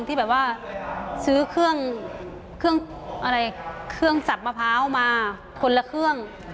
ที่แบบว่าซื้อเครื่องสับมะพร้าวมาคนละเครื่อง